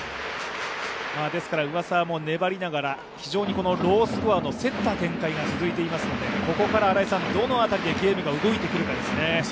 上沢も粘りながらロースコアの競った展開が続いていますのでここからどの辺りでゲームが動いてくるかですね。